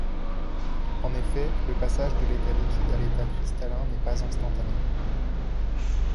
En effet, le passage de l’état liquide à l’état cristallin n’est pas instantané.